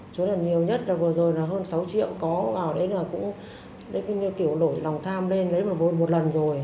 chối là nhiều nhất là vừa rồi là hơn sáu triệu có vào đấy là cũng kiểu đổi lòng tham lên đấy là vừa một lần rồi